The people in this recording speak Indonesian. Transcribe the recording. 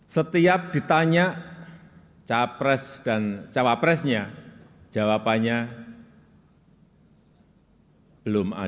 setiap ditanya cawa presnya jawabannya belum ada